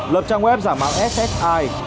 lập trang web giả mạo ssi